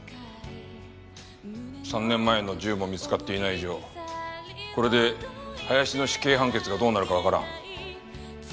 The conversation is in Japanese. ３年前の銃も見つかっていない以上これで林の死刑判決がどうなるかわからん。